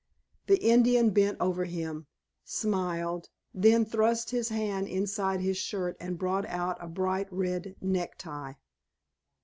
The Indian bent over him, smiled, then thrust his hand inside his shirt and brought out a bright red necktie.